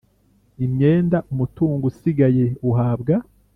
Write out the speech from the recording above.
imyenda umutungo usigaye uhabwa